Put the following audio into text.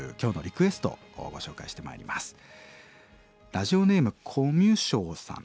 ラジオネームコミュショウさん。